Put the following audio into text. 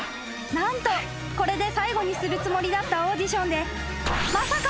［何とこれで最後にするつもりだったオーディションで］